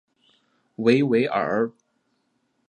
维维尔。